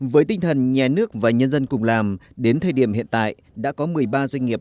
với tinh thần nhà nước và nhân dân cùng làm đến thời điểm hiện tại đã có một mươi ba doanh nghiệp